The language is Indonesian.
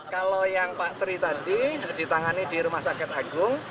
kalau yang pak tri tadi ditangani di rumah sakit agung